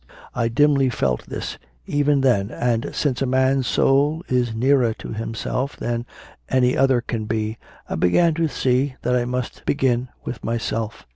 I dimly felt this, even then, and, since a man s soul is nearer to himself than any other can be, I began to see that I must begin with myself.